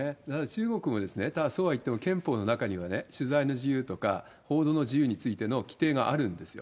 中国も、ただそうはいっても憲法の中にはね、取材の自由とか、報道の自由についての規定があるんですよ。